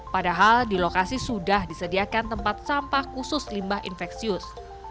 padahal di lokasi sudah disediakan tempat sampah khusus limbah infeksius